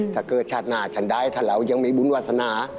ถ้าเกิดชาติหน้าฉันได้ถ้าเหล่ายังมีบุญวาสนา